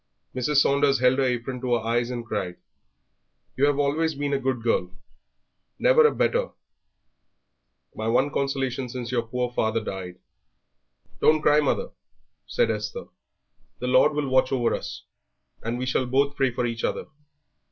Mrs. Saunders held her apron to her eyes and cried. "You have always been a good girl, never a better my one consolation since your poor father died." "Don't cry, mother," said Esther; "the Lord will watch over us, and we shall both pray for each other.